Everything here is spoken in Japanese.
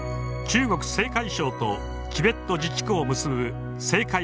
中国・青海省とチベット自治区を結ぶ青海